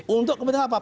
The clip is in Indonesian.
untuk kepentingan apa